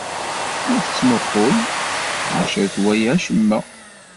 La tettmuqqul, maca ur twala acemma.